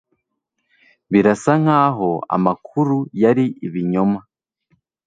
Birasa nkaho amakuru yari ibinyoma